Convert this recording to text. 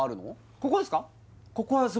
ここですか？